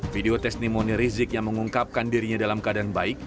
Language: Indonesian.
video testimoni rizik yang mengungkapkan dirinya dalam keadaan baik